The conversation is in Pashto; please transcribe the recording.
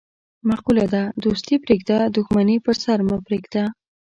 مقوله ده: دوستي پرېږده، دښمني په سر مه پرېږده.